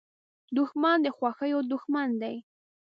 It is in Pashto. دښمن د خوښیو دوښمن دی